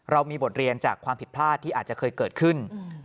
มีบทเรียนจากความผิดพลาดที่อาจจะเคยเกิดขึ้น